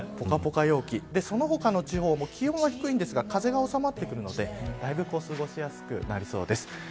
その他の地方も気温は低いですが風が収まってくるのでだいぶ過ごしやすくなりそうです。